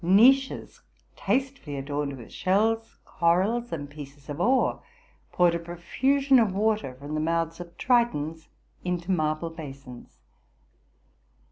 Niches tastefully adorned with shells, corals, and pieces of ore, poured a profusion of water from the mouths of tritons into marble basins.